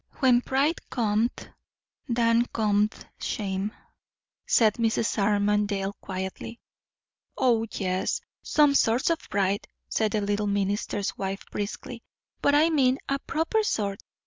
"'When pride cometh, than cometh shame,'" said Mrs. Armadale quietly. "O yes, some sorts of pride," said the little minister's wife briskly; "but I mean a proper sort.